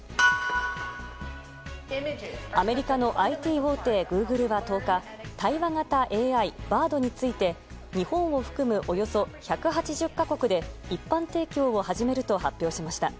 アメリカのＩＴ大手グーグルは１０日対話型ＡＩ、Ｂａｒｄについて日本を含むおよそ１８０か国で一般提供を始めると発表しました。